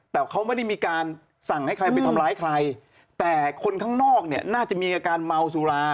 แต่เขาไม่ได้มีการสั่งให้ใครไปทำร้ายใครแต่คนข้างนอกเนี่ยน่าจะมีอาการเมาสุรา